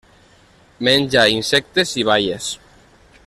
Menja insectes i baies.